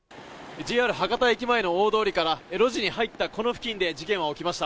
ＪＲ博多駅前の大通りから路地に入ったこの付近で事件は起きました。